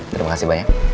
terima kasih banyak